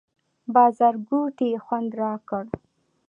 بازارګوټي یې خوند راکړ.